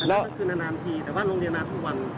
อันนั้นก็คือนานทีแต่ว่าโรงเรียนราคมทุกวัน